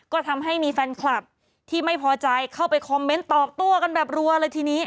ก็ทำให้มีแฟนคลับที่ไม่พอใจเข้าไปคอมเมนต์ตอบโต้กันแบบรัวเลยทีนี้